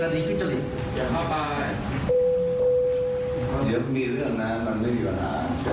ได้ไม่ผมไม่ว่า